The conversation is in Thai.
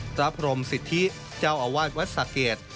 พระพรมสิทธิเจ้าอาวาสวัดสะเกด